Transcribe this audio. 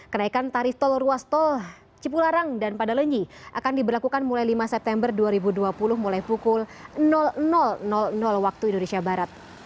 kenaikan tarif tol ruas tol cipularang dan padalenyi akan diberlakukan mulai lima september dua ribu dua puluh mulai pukul waktu indonesia barat